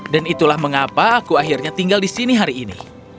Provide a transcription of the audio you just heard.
dan itulah mengapa aku akhirnya tinggal disini hari ini